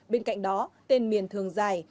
bên cạnh đó tên miền thường dài